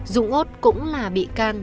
dũng út cũng là bị can